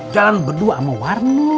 jalan berdua sama warno